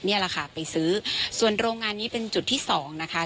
นี่แหละค่ะไปซื้อส่วนโรงงานนี้เป็นจุดที่สองนะคะ